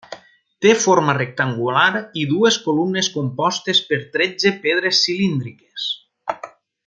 Té forma rectangular i dues columnes compostes per tretze pedres cilíndriques.